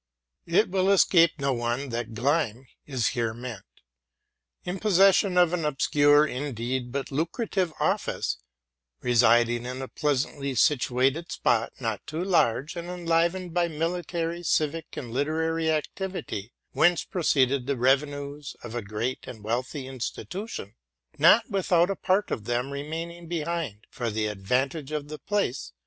It will escape no one that Gleim is here meant. Holding an obscure, but lucrative, office, residing in a pleasantly situated spot, not too large, and enlivened "by military, civic, and literary activity, whence proceeded the revenues of a great and wealthy institution, not without a part of them remaining behind for the advantage of the place.